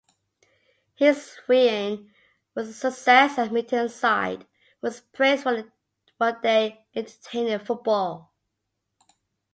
His reign was a success and Mitten's side was praised for their entertaining football.